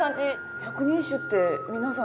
百人一首って皆さん